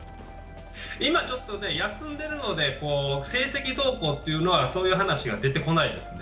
今ちょっと休んでるので、成績どうこうというのは、そういう話が出てこないですね。